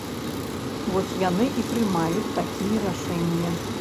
Вось яны і прымаюць такія рашэнні.